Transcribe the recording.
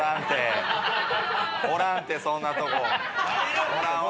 おらんてそんなとこ。